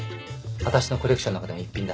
あたしのコレクションの中でも逸品だ。